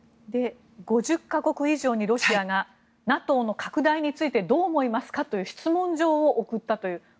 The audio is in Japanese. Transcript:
５０か国以上にロシアがＮＡＴＯの拡大についてどう思いますかという質問状を送ったという。